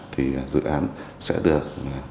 thì dự án sẽ được